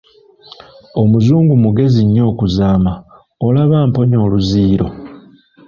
Omuzungu mugezi nnyo okuzaama, olaba amponya oluziyiro!